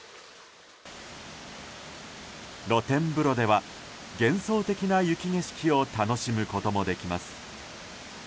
露天風呂では幻想的な雪景色を楽しむこともできます。